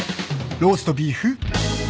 ローストビーフ。